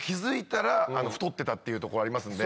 僕も。っていうとこありますんで。